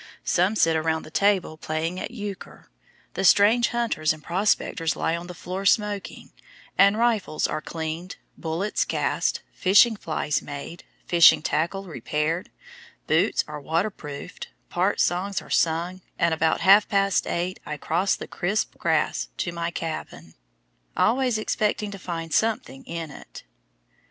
Some sit round the table playing at eucre, the strange hunters and prospectors lie on the floor smoking, and rifles are cleaned, bullets cast, fishing flies made, fishing tackle repaired, boots are waterproofed, part songs are sung, and about half past eight I cross the crisp grass to my cabin, always expecting to find something in it.